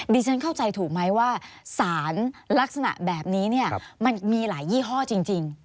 ฉันเข้าใจถูกไหมว่าสารลักษณะแบบนี้เนี่ยมันมีหลายยี่ห้อจริง